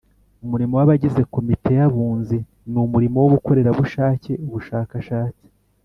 Umurimo w abagize Komite y Abunzi ni umurimo w ubukorerabushake Ubushakashatsi